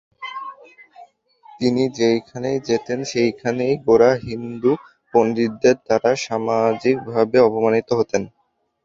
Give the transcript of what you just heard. তিনি যেখানেই যেতেন সেখানেই গোঁড়া হিন্দু পণ্ডিতদের দ্বারা সামাজিকভাবে অপমানিত হতেন।